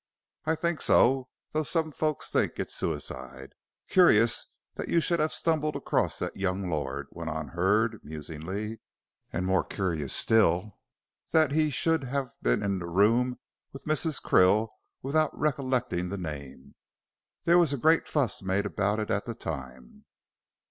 "I think so, though some folks think it suicide. Curious you should have stumbled across that young lord," went on Hurd, musingly, "and more curious still that he should have been in the room with Mrs. Krill without recollecting the name. There was a great fuss made about it at the time."